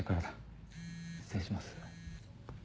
失礼します。